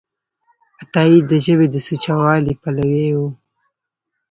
عطایي د ژبې د سوچهوالي پلوی و.